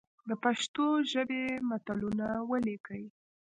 د پښتو ژبي متلونه ولیکئ!